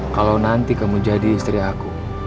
kalau nanti kamu jadi istri aku